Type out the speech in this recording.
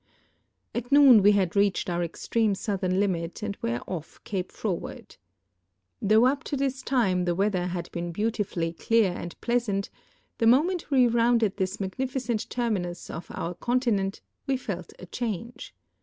At noon we had reached our exlr(;me i outhern limit and were offCaj^e Froward. 'i'hough up to this time the weather had be'cn beautifully clear and pleasant, the moment we roun<led this magnificent terminus of our continent we felt a change.